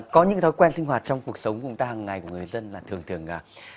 có những thói quen sinh hoạt trong cuộc sống của người dân là thường thường